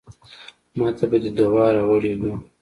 ماته به دې دوا راوړې وه.